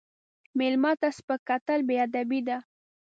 مېلمه ته سپک کتل بې ادبي ده.